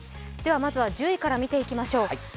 まずは１０位から見ていきましょう。